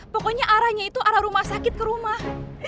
pokoknya arahnya itu arah rumah sakit ke rumah